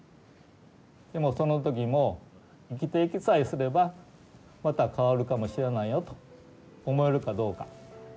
でもその時も生きていきさえすればまた変わるかもしれないよと思えるかどうか。